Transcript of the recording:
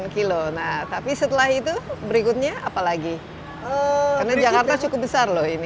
dua puluh delapan kilo nah tapi setelah itu berikutnya apa lagi karena jakarta cukup besar loh ini